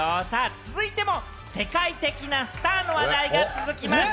続いても世界的なスターの話題が続きます。